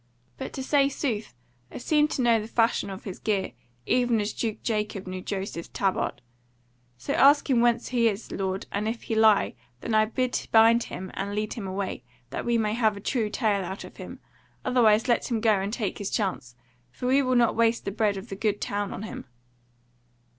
But to say sooth I seem to know the fashion of his gear, even as Duke Jacob knew Joseph's tabard. So ask him whence he is, lord, and if he lie, then I bid bind him and lead him away, that we may have a true tale out of him; otherwise let him go and take his chance; for we will not waste the bread of the Good Town on him."